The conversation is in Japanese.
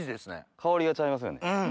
香りがちゃいますよね。